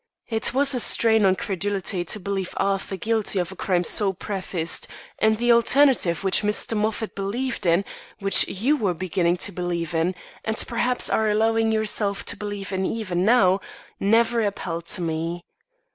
It was a strain on credulity to believe Arthur guilty of a crime so prefaced, and the alternative which Mr. Moffat believed in, which you were beginning to believe in, and perhaps are allowing yourself to believe in even now, never appealed to me.